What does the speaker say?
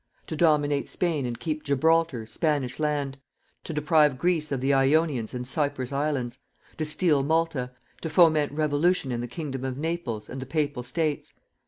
to dominate Spain and keep Gibraltar, Spanish land? to deprive Greece of the Ionians and Cyprus Islands? to steal Malta? to foment Revolution in the Kingdom of Naples and the Papal States?